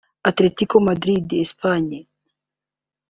Atletico Madrid (Espagne)